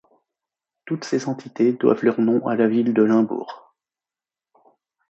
Toutes ces entités doivent leur nom à la ville de Limbourg.